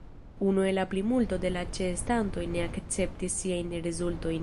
Unue la plimulto de la ĉeestantoj ne akceptis siajn rezultojn.